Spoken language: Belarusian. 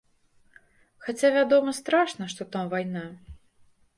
Хаця, вядома, страшна, што там вайна.